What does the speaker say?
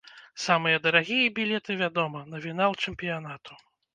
Самыя дарагія білеты, вядома, на фінал чэмпіянату.